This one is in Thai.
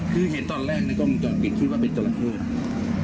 คือเห็นตอนแรกก็มีคิดว่าเป็นจราเข้า